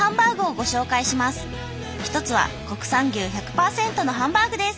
１つは国産牛１００％のハンバーグです。